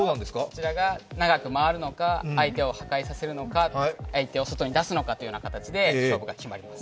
こちらが長く回るのか、破壊させるのか、相手を外に出すのかという形で勝負が決まります。